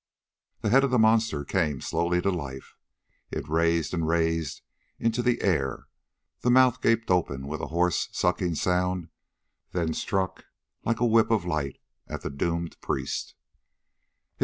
The head of the monster came slowly to life. It raised and raised into the air. The mouth gaped open with a hoarse, sucking sound, then struck, like a whip of light, at the doomed priest.